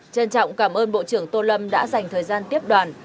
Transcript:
trân trọng cảm ơn bộ trưởng tô lâm đã dành thời gian tiếp đoàn